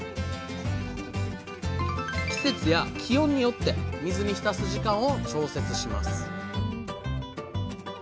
季節や気温によって水に浸す時間を調節します